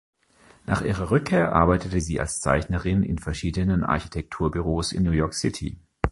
Nach ihrer Rückkehr arbeitete sie als Zeichnerin in verschiedenen Architekturbüros in New York City.